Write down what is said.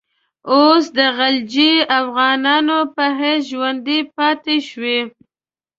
اوس د غلجي افغانانو په حیث ژوندی پاته شوی.